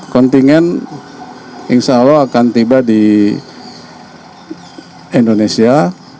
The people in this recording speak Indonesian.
kontingen insya allah akan tiba di indonesia